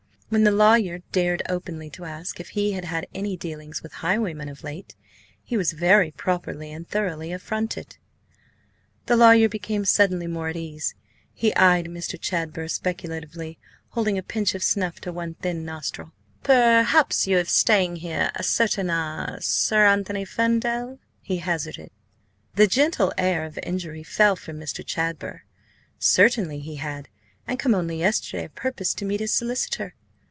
When the lawyer dared openly to ask if he had had any dealings with highwaymen of late, he was very properly and thoroughly affronted. The lawyer became suddenly more at ease. He eyed Mr. Chadber speculatively, holding a pinch of snuff to one thin nostril "Perhaps you have staying here a certain–ah–Sir–Anthony–Ferndale?" he hazarded. The gentle air of injury fell from Mr. Chadber. Certainly he had, and come only yesterday a purpose to meet his solicitor.